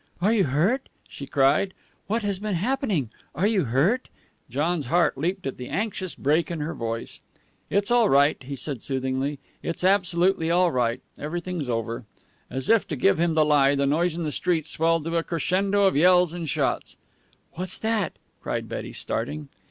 "Are you hurt?" she cried. "What has been happening? Are you hurt?" John's heart leaped at the anxious break in her voice. "It's all right," he said soothingly. "It's absolutely all right. Everything's over." As if to give him the lie, the noise in the street swelled to a crescendo of yells and shots. "What's that?" cried Betty, starting.